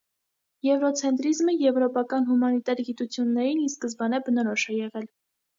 Եվրոցենտրիզմը եվրոպական հումանիտար գիտություններին ի սկզբանե բնորոշ է եղել։